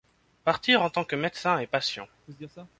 Partir en tant que médecin et patient.